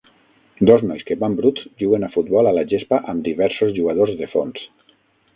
Dos nois que van bruts juguen a futbol a la gespa amb diversos jugadors de fons.